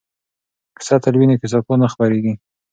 که سطل وي نو کثافات نه خپریږي.